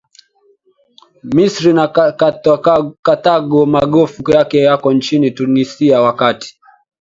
Misri na Karthago magofu yake yako nchini Tunisia wakati